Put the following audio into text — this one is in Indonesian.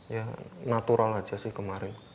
ya natural aja sih kemarin